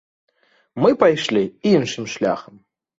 Мы пайшлі іншым шляхам.